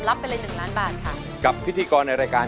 รับเป็นเลย๑ล้านบาทค่ะ